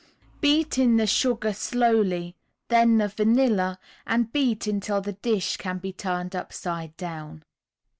Beat in the sugar slowly, then the vanilla, and beat until the dish can be turned upside down.